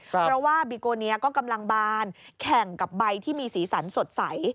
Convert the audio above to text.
เพราะว่าบิโกเนียก็กำลังบานแข่งกับใบที่มีสีสันสดใส